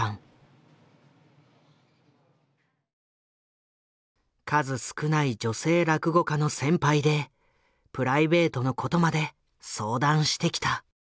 上方の数少ない女性落語家の先輩でプライベートのことまで相談してきた。